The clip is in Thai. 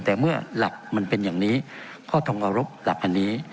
แต่เมื่อหลักมันเป็นอย่างนี้ก็ต้องเคารพหลักอันนี้